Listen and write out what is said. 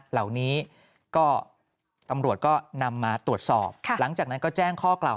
เหล่านี้ก็ตำรวจก็นำมาตรวจสอบหลังจากนั้นก็แจ้งข้อกล่าว